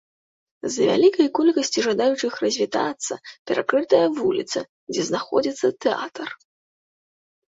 З-за вялікай колькасці жадаючых развітацца перакрытая вуліца, дзе знаходзіцца тэатр.